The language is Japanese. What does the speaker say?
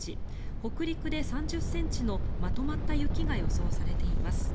北陸で３０ｃｍのまとまった雪が予想されています。